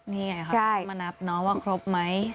เนี่ยให้เขาแบบมานับเนาะว่าครบไหม